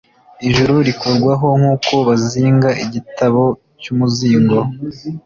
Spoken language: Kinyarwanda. ijuru rikurwaho nk’uko bazinga igitabo cy’umuzingo,